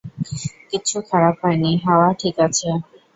কিচ্ছু খারাপ হয় নি, হাওয়া ঠিক আছে।